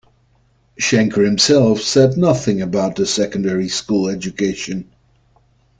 Schenker himself said nothing about his secondary school education.